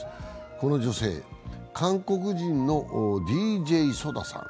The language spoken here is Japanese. この女性、韓国人のＤＪＳＯＤＡさん。